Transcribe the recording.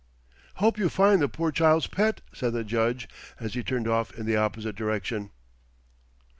"Hope you find the poor child's pet," said the Judge as he turned off in the opposite direction.